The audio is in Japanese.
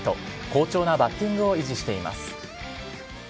好調なバッティングを維持しています。